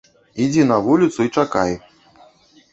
Ідзі на вуліцу і чакай!